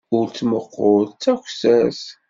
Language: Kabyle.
Ur ttmuqqul d takessart.